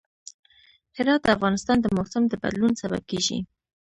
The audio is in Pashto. هرات د افغانستان د موسم د بدلون سبب کېږي.